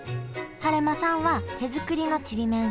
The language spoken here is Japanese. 晴間さんは手作りのちりめん